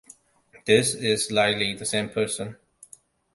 This is likely the same person.